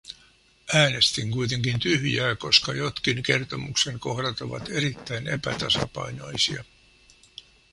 Äänestin kuitenkin tyhjää, koska jotkin kertomuksen kohdat ovat erittäin epätasapainoisia.